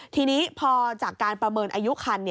ทีนี้พอจากการประเมินอายุคัน